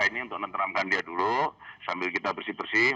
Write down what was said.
ini untuk menenteramkan dia dulu sambil kita bersih bersih